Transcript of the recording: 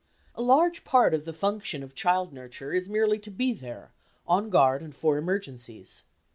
A large part of the function of child nurture is merely to be there, on guard and for emergencies.